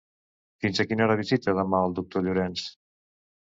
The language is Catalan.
Fins a quina hora visita demà el doctor Llorenç?